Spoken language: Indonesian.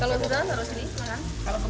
kalo kebanyakan kadar air kan borot gitu